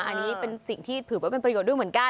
อันนี้เป็นสิ่งที่ถือว่าเป็นประโยชน์ด้วยเหมือนกัน